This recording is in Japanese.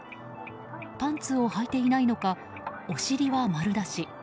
パンツをはいていないのかお尻は丸出し。